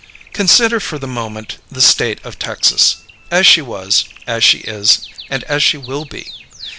Consider for a moment the State of Texas as she was, as she is, and as she will be.